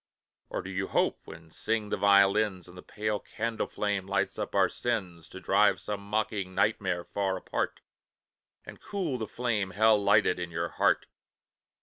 Or do you hope, when sing the violins, And the pale candle flame lights up our sins, To drive some mocking nightmare far apart, And cool the flame hell lighted in your heart?